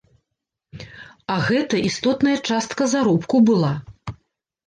А гэта істотная частка заробку была.